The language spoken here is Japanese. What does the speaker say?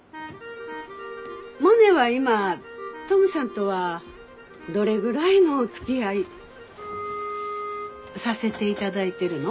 モネは今トムさんとはどれぐらいのおつきあいさせていただいてるの？